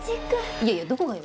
いやいやどこがよ。